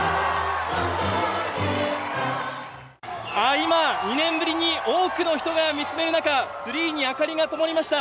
今、２年ぶりに、多くの人が見つめる中、ツリーに明かりがともりました。